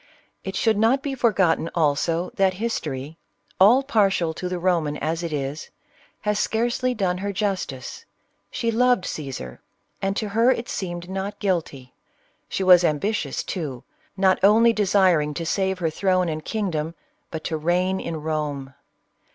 It should not be forgotten also, that History — all partial to the Roman as it is — has scarcely done her justice. She loved Cajsar. and to her it seemed not guilty. She was ambitious, too, not only desiring to save her throne and kingdom, but to reign in Rome.